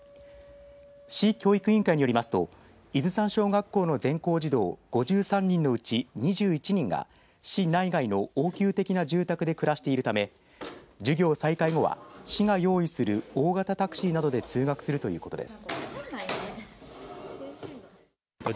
市教育委員会によりますと伊豆山小学校の全校児童５３人のうち２１人が、市内外の応急的な住宅で暮らしているため授業再開後は市が用意する大型タクシーなどで通学するということです。